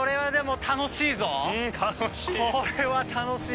楽しい！